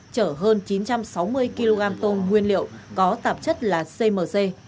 chở hơn chín trăm sáu mươi kg tôm nguyên liệu có tạp chất là cmc